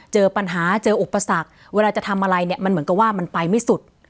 เจอปัญหาเจออุปสรรคเวลาจะทำอะไรเนี่ยมันเหมือนกับว่ามันไปไม่สุด